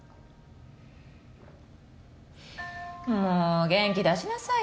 もう元気出しなさい